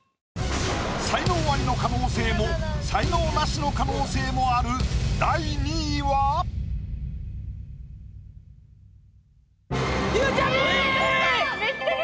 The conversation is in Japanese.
才能アリの可能性も才能ナシの可能性もあるゆうちゃみ！